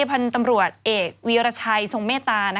พันธุ์ตำรวจเอกวีรชัยทรงเมตตา